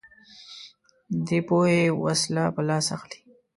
دی پوهې وسله په لاس اخلي